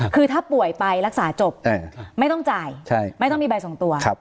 คือถ้าป่วยไปรักษาจบไม่ต้องจ่ายไม่ต้องมีใบส่งตัว